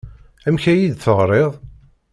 Amek ay iyi-d-teɣriḍ?